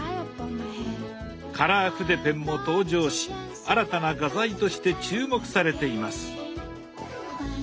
カラー筆ペンも登場し新たな画材として注目されています。